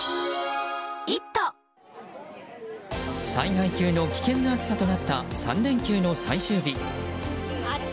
災害級の危険な暑さとなった３連休の最終日。